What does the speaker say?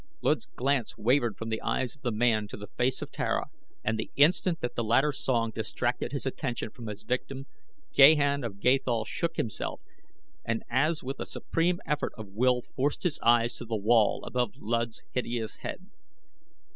Luud's glance wavered from the eyes of the man to the face of Tara, and the instant that the latter's song distracted his attention from his victim, Gahan of Gathol shook himself and as with a supreme effort of will forced his eyes to the wall above Luud's hideous head.